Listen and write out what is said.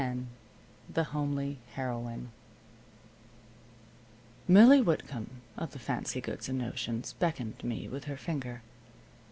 X THE HOMELY HEROINE Millie Whitcomb, of the fancy goods and notions, beckoned me with her finger.